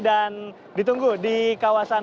dan ditunggu di kawasan